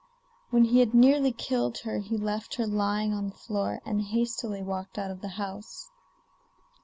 When he had nearly killed her he left her lying on the floor, and hastily walked out of the house.